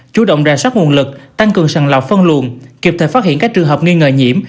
chủ động ra soát nguồn lực tăng cường sàng lọc phân luồng kịp thời phát hiện các trường hợp nghi ngờ nhiễm